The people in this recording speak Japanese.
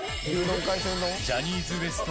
ジャニーズＷＥＳＴ